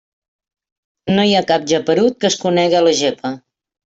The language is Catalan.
No hi ha cap geperut que es conega la gepa.